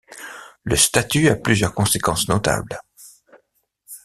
Le Statut a plusieurs conséquences notables.